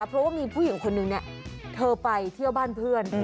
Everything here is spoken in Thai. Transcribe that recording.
เพราะว่ามีผู้หญิงคนนึงเธอไปเที่ยวบ้านเพื่อน